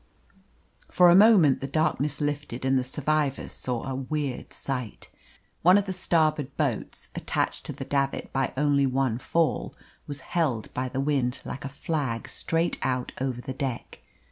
For a moment the darkness lifted and the survivors saw a weird sight. One of the starboard boats, attached to the davit by only one fall, was held by the wind like a flag straight out over the deck.